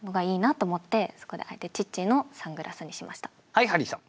はいハリーさん。